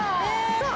そう。